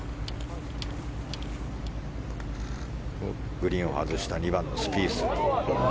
グリーンを外した２番のスピース。